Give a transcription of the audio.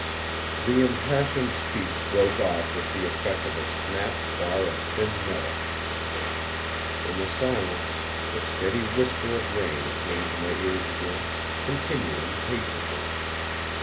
_" The impassioned speech broke off with the effect of a snapped bar of thin metal. In the silence, the steady whisper of rain came to my ears again, continuing patiently.